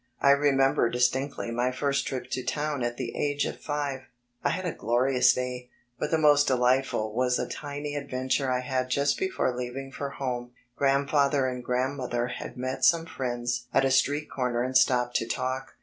I remember distinctly my first trip to town at the age of five. I had a glorious day, but the most delightful part was a tiny adventure I had just before leaving for home. Grand father and Grandmother had met some friends at a street comer and stopped to talk.